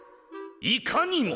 いかにも！